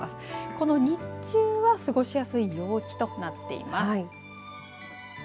この日中は過ごしやすい陽気となっています。